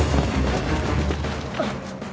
あっ！